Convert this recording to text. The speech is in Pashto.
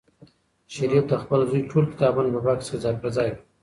شریف د خپل زوی ټول کتابونه په بکس کې ځای پر ځای کړل.